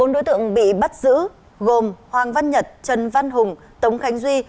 bốn đối tượng bị bắt giữ gồm hoàng văn nhật trần văn hùng tống khánh duy